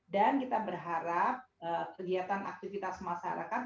dan kita berharap kegiatan aktivitas masyarakat